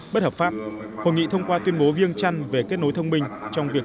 bất hợp pháp hội nghị thông qua tuyên bố viêng chăn về kết nối thông minh trong việc